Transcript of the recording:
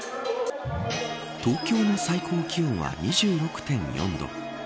東京の最高気温は２６．４度。